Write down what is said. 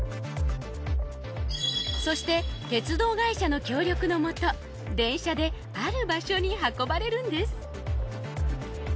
そして鉄道会社の協力のもと電車で「ある場所」に運ばれるんです